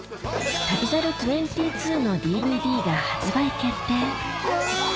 『旅猿２２』のＤＶＤが発売決定うぅ！